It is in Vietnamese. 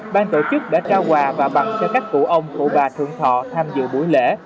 ban tổ chức đã trao quà và tặng cho các cụ ông cụ bà thượng thọ tham dự buổi lễ